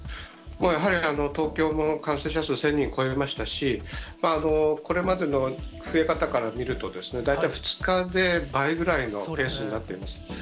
やはり東京も感染者数、１０００人を超えましたし、これまでの増え方から見るとですね、大体２日で倍ぐらいのペースになっています。